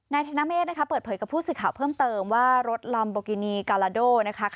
ธนเมฆนะคะเปิดเผยกับผู้สื่อข่าวเพิ่มเติมว่ารถลัมโบกินีกาลาโดนะคะ